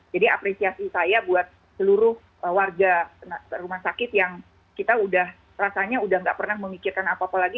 jadi apresiasi saya buat seluruh warga rumah sakit yang kita udah rasanya udah nggak pernah memikirkan apa apa lagi